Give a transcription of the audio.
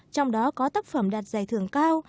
trong đó có tác phẩm đạt giải thưởng cao